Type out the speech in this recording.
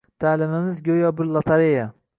Ta’limimiz go‘yo bir lotereya